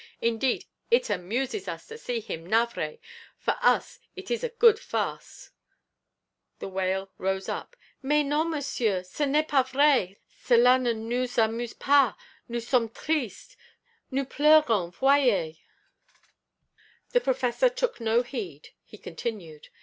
Indeed, it amuses us to see him navré for us, it is a good farce."' The wail rose up 'Mais non, Monsieur, ce n'est pas vrai, cela ne nous amuse pas; nous sommes tristes, nous pleurons, voyez.' The Professor took no heed; he continued.